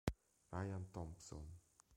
Ryan Thompson